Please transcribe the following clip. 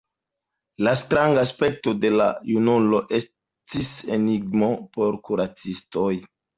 La stranga aspekto de la junulo estis enigmo por kuracistoj.